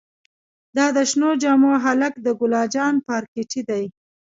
دا د شنو جامو هلک د ګلا جان پارکټې دې.